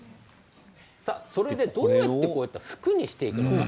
どうやって服にしていくのか。